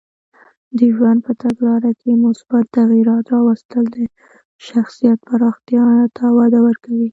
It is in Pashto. د ژوند په تګلاره کې مثبت تغییرات راوستل د شخصیت پراختیا ته وده ورکوي.